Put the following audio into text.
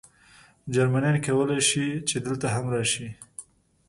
جرمنیان کولای شي، چې دلته هم راشي.